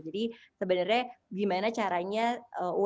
jadi sebenarnya gimana caranya umkm bisa bertahan hidup umkm